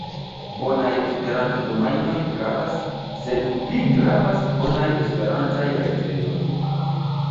Bonaj Esperanto-domajnoj gravas, sed pli gravas bonaj Esperantaj retejoj.